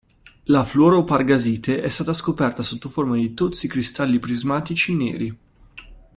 La fluoro-pargasite è stata scoperta sotto forma di tozzi cristalli prismatici neri.